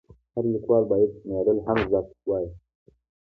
هر لیکوال باید شمېرل هم زده وای.